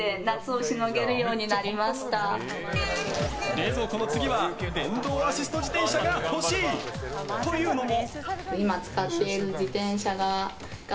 冷蔵庫の次は電動アシスト自転車が欲しい！というのも。